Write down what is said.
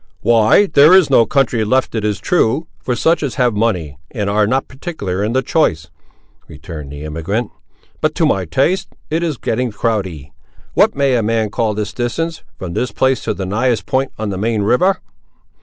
"Why, there is country left, it is true, for such as have money, and ar' not particular in the choice," returned the emigrant; "but to my taste, it is getting crowdy. What may a man call the distance, from this place to the nighest point on the main river?"